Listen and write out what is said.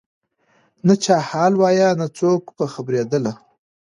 نه چا حال وایه نه څوک په خبرېدله